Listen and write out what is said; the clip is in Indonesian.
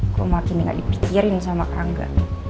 gue makin gak dipikirin sama kangga